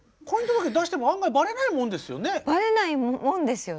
バレないもんですよね。